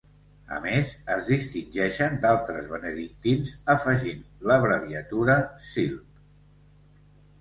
A més, es distingeixen d'altres benedictins afegint l'abreviatura Silv.